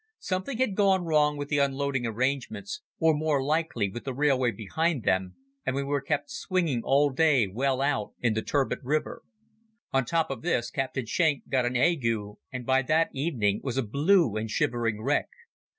Something had gone wrong with the unloading arrangements, or more likely with the railway behind them, and we were kept swinging all day well out in the turbid river. On the top of this Captain Schenk got an ague, and by that evening was a blue and shivering wreck.